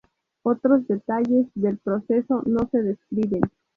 Otros detalles del proceso no se describen.